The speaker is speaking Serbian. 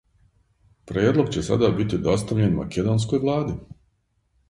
Предлог ће сада бити достављен македонској влади.